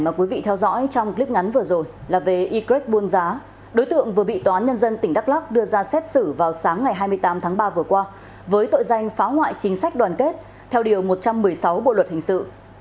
mà quý vị theo dõi trong clip ngắn vừa rồi là về y greg buôn giá đối tượng vừa bị tòa án nhân dân tỉnh đắk lóc đưa ra xét xử vào sáng ngày hai mươi tám tháng ba vừa qua với tội danh phá hoại chính sách đoàn kết theo điều một trăm một mươi sáu bộ luật hình sự